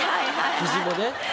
肘もね。